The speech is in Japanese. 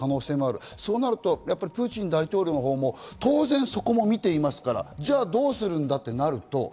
そうなるとプーチン大統領のほうも当然そこも見ていますから、どうするんだとなると。